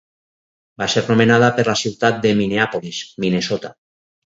Va ser nomenada per la ciutat de Minneapolis, Minnesota.